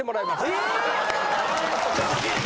えっ！